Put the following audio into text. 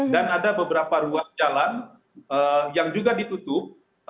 dan ada beberapa ruas jalan yang juga ditutup